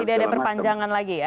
ini ada perpanjangan lagi ya